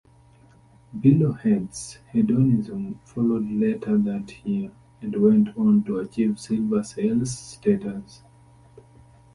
Bellowhead's "Hedonism" followed later that year, and went on to achieve silver sales status.